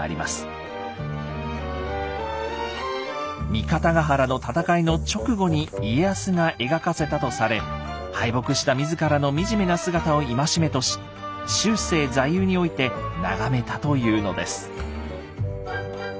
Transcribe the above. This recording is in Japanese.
三方ヶ原の戦いの直後に家康が描かせたとされ敗北した自らの惨めな姿を戒めとし終生座右において眺めたというのです。